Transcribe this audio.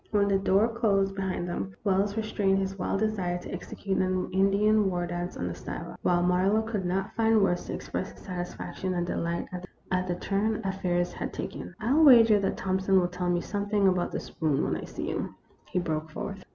When the door closed behind them, Wells re strained his wild desire to execute an Indian war dance on the sidewalk, while Marlowe could not find words to express his satisfaction and delight at the turn affairs had taken. " I '11 wager that Thompson will tell me some thing about that spoon when I see him," he broke forth.